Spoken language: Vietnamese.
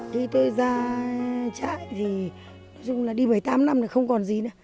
khi tôi ra trại thì nói chung là đi một mươi tám năm là không còn gì nữa